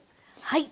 はい。